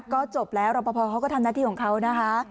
ก็จบแล้วรอปภเขาก็ทำหน้าที่ของเขานะคะ